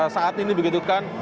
saat ini begitu kan